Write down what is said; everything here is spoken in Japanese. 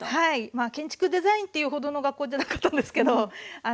まあ建築デザインっていうほどの学校じゃなかったんですけど。